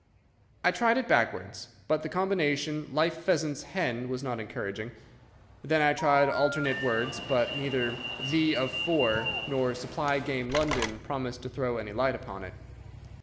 I tried it backwards, but the combination 'life pheasant's hen' was not encouraging. Then I tried alternate words, but neither 'The of for' nor 'supply game London' promised to throw any light upon it.